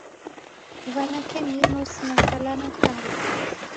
W'anake ni inose na kala na kala .